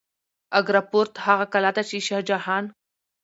اګره فورت هغه کلا ده چې شاه جهان